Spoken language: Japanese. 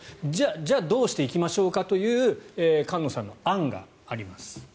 じゃあどうしていきましょうかという菅野さんの案があります。